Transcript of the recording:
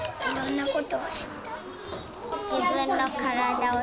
いろんなことを知った。